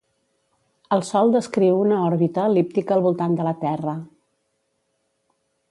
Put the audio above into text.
El Sol descriu una òrbita el·líptica al voltant de la Terra.